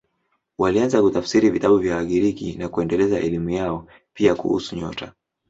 Walianza kutafsiri vitabu vya Wagiriki na kuendeleza elimu yao, pia kuhusu nyota.